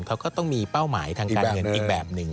เขาก็ต้องมีเป้าหมายทางการเงินอีกแบบหนึ่ง